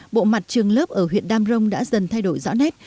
bộ mặt trường lớp ở huyện đam rông đã dần thay đổi rõ nét